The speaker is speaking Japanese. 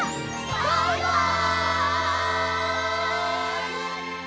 バイバイ！